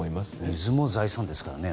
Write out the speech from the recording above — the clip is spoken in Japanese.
水も財産ですからね